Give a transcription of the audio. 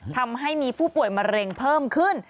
ทำให้มีผู้ป่วยมะเร็งเพิ่มขึ้น